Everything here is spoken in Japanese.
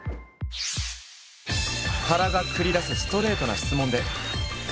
原が繰り出すストレートな質問で。